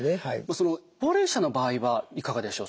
その高齢者の場合はいかがでしょう？